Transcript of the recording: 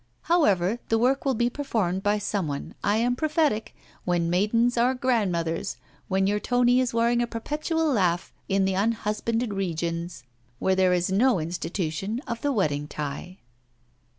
However, the work will be performed by some one: I am prophetic: when maidens are grandmothers! when your Tony is wearing a perpetual laugh in the unhusbanded regions where there is no institution of the wedding tie.'